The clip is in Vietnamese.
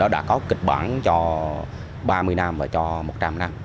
đã có kịch bản cho ba mươi năm và cho một trăm linh năm